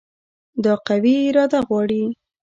دا قوي اراده غواړي.